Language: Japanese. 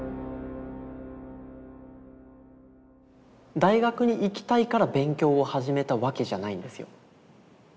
大学に行きたいから勉強を始めたわけじゃないんですよ。